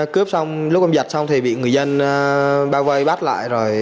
cướp xong lúc em giật xong thì bị người dân bao vây bắt lại